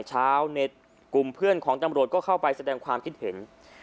ชาวเน็ตกลุ่มเพื่อนของตำรวจก็เข้าไปแสดงความคิดเห็น